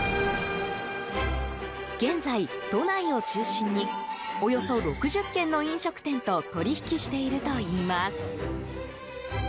現在、都内を中心におよそ６０軒の飲食店と取り引きしているといいます。